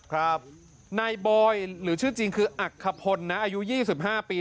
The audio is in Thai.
ครับนายบอยหรือชื่อจริงคืออักขพลนะอายุ๒๕ปี